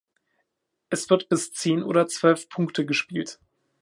Es wird bis zehn oder zwölf Punkte gespielt.